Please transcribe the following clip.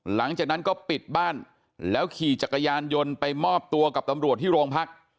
หลังจากนั้นก็ปิดบ้านแล้วขี่จักรยานยนต์ไปมอบตัวกับตำรวจที่โรงพัก